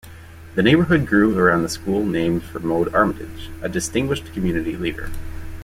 The neighborhood grew around the school named for Maude Armatage, a distinguished community leader.